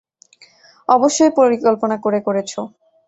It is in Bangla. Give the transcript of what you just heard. অবশ্যই পরিকল্পনা করে করেছ।